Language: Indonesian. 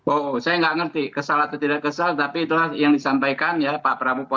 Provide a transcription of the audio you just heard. oh saya nggak ngerti kesal atau tidak kesal tapi itulah yang disampaikan ya pak prabowo